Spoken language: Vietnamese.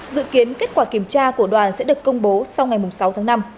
dự kiến kết quả kiểm tra của đoàn sẽ được công bố sau ngày sáu tháng năm